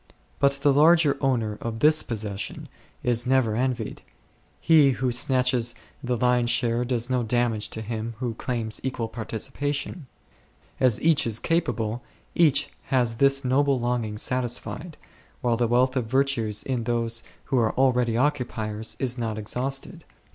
But the larger owner of this possession is never envied ; he who snatches the lion's share does no damage to him who claims equal participa tion ; as each is capable each has this noble longing satisfied, while the wealth of virtues in those who are already occupiers8 is not exhausted.